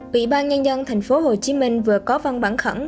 ủy ban nhân dân tp hcm vừa có văn bản khẩn